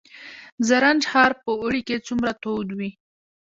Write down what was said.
زرنج ښار په اوړي کې څومره تود وي؟